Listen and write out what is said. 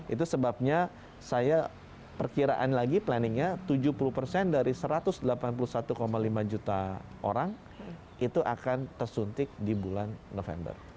itu sebabnya saya perkiraan lagi planningnya tujuh puluh persen dari satu ratus delapan puluh satu lima juta orang itu akan tersuntik di bulan november